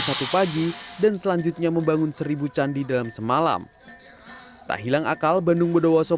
satu pagi dan selanjutnya membangun seribu candi dalam semalam tak hilang akal bandung bodowoso